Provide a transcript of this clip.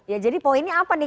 ya jadi poinnya apa nih